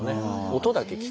音だけ聞く。